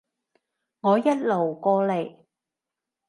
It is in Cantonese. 我一路過嚟